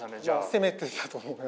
攻めてたと思います。